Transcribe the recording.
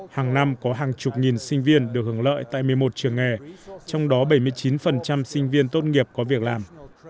hàng năm có hàng chục nghìn sinh viên được hưởng lợi tại một mươi một trường nghề trong đó bảy mươi chín sinh viên tốt nghiệp có việc làm